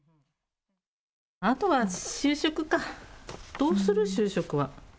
あとは就職か、どうする就職は。